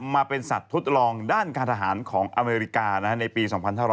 มาเป็นสัตว์ทดลองด้านการทหารของอเมริกาในปี๒๕๖๐